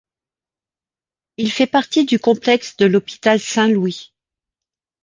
Il fait partie du complexe de l'hôpital Saint-Louis.